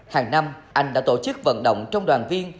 hàng năm anh đã tổ chức vận động trong đoàn viên